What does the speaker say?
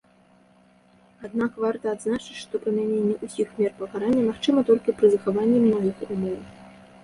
Аднак варта адзначыць, што прымяненне ўсіх мер пакарання магчыма толькі пры захаванні многіх умоў.